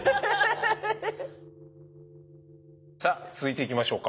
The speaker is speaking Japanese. さあ続いていきましょうか。